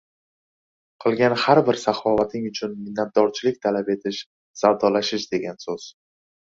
Kilgan har bir saxovating uchun minnatdorchilik talab etish savdolashish degan so‘z.